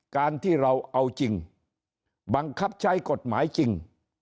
การที่เราเอาจริงบังคับใช้กฎหมายจริง